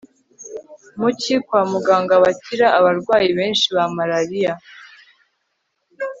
mu cyi kwa muganga bakira abarwayi benshi ba malariya